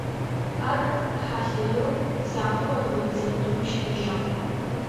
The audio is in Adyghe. Ар хьалэлэу, зафэу адыгэ литературэм щылэжьагъ.